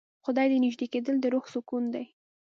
خدای ته نژدې کېدل د روح سکون دی.